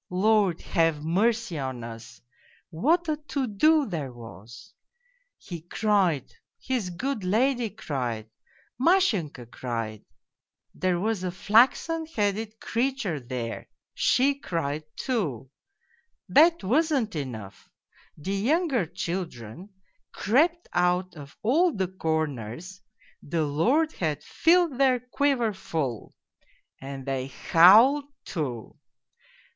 Lord, have mercy on us, what a POLZUNKOV 217 to do there was ! He cried, his good lady cried, Mashenka cried ... there was a flaxen headed creature there, she cried too. ... That wasn't enough : the younger children crept out of all the corners (the Lord had filled their quiver full) and they howled too